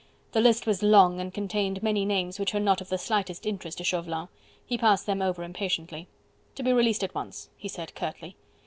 The list was long and contained many names which were of not the slightest interest to Chauvelin: he passed them over impatiently. "To be released at once," he said curtly.